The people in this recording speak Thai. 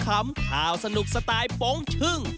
ข่าวสนุกสไตล์โป๊งชึ่ง